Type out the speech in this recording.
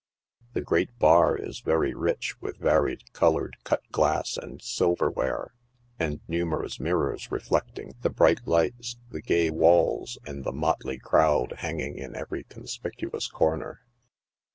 The great bar is very rich with varied colored cut glass and silver ware, and numerous mirrors reflecting the bright lights, the gay walls, and the motley crowd hanging in every conspicuous corner.